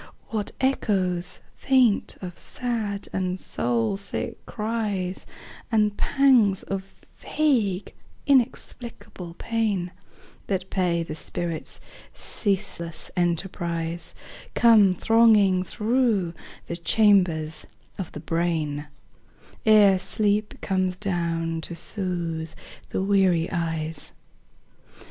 What echoes faint of sad and soul sick cries, And pangs of vague inexplicable pain That pay the spirit's ceaseless enterprise, Come thronging through the chambers of the brain Ere sleep comes down to soothe the weary eyes.